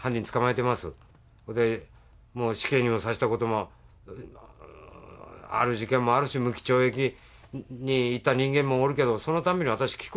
それでもう死刑にもさせたこともある事件もあるし無期懲役にいった人間もおるけどそのたんびに私聞くんですよ。